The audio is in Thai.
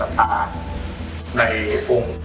กิน